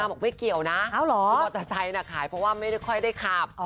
บอกไม่เกี่ยวนะคือมอเตอร์ไซค์ขายเพราะว่าไม่ค่อยได้ขับ